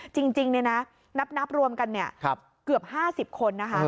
จริงเนี่ยนะนับรวมกันเนี่ยเกือบ๕๐คนนะคะ